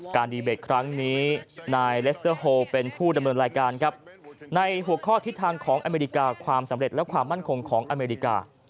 ดีเบตครั้งนี้นายเลสเตอร์โฮเป็นผู้ดำเนินรายการครับในหัวข้อทิศทางของอเมริกาความสำเร็จและความมั่นคงของอเมริกา